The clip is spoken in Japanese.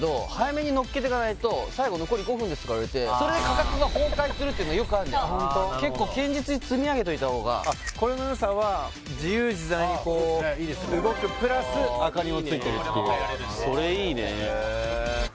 最後「残り５分です」とか言われてそれで価格が崩壊するっていうのよくあるんだ結構堅実に積み上げといた方がこれのよさは自由自在にこう動くプラス明かりもついてるっていうそれいいね